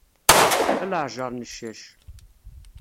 A leɛǧer n ccac.